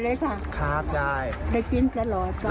ตัวเองก็คอยดูแลพยายามเท็จตัวให้ตลอดเวลา